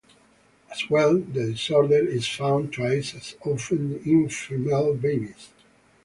As well, the disorder is found twice as often in female babies.